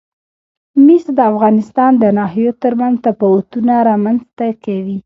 مس د افغانستان د ناحیو ترمنځ تفاوتونه رامنځ ته کوي.